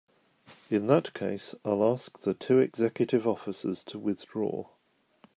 In that case I'll ask the two executive officers to withdraw.